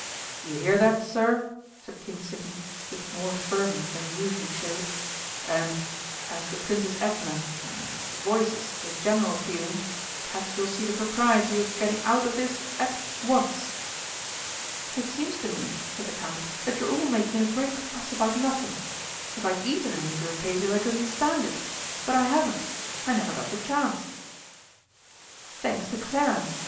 "You hear that, sir?" said King Sidney, with more firmness than he usually showed. "And, as the Princess Edna er voices the general feeling, perhaps you'll see the propriety of getting out of this at once?" "It seems to me," said the Count, "that you are all making a great fuss about nothing. If I'd eaten any of your pages I could understand it. But I haven't I never got the chance." "Thanks to Clarence!"